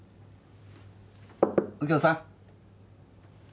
右京さん？